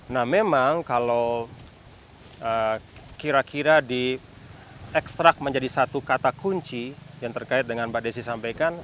nah memang kalau kira kira di ekstrak menjadi satu kata kunci yang terkait dengan mbak desi sampaikan